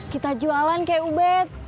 kita jualan kayak ubet